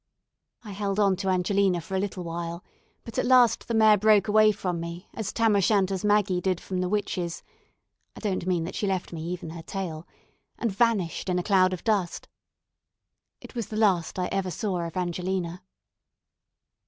I held on to Angelina for a little while; but at last the mare broke away from me, as Tam o' Shanter's Maggie did from the witches (I don't mean that she left me even her tail), and vanished in a cloud of dust. It was the last I ever saw of Angelina.